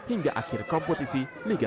hingga akhir kompetisi liga satu